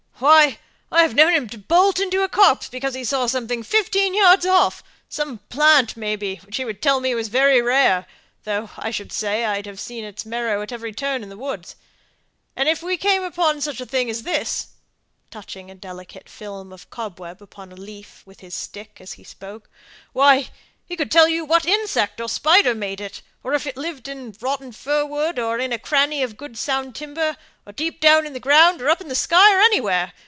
Why! I've known him bolt into a copse because he saw something fifteen yards off some plant, maybe, which he'd tell me was very rare, though I should say I'd seen its marrow at every turn in the woods; and, if we came upon such a thing as this," touching a delicate film of a cobweb upon a leaf with his stick, as he spoke, "why, he could tell you what insect or spider made it, and if it lived in rotten fir wood, or in a cranny of good sound timber, or deep down in the ground, or up in the sky, or anywhere.